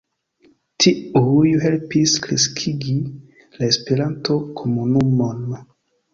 Tiuj helpis kreskigi la Esperanto-komunumon.